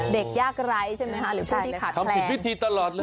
เด็กยากไร้ใช่ไหมคะหรือผู้ที่ขาดทำผิดวิธีตลอดเลย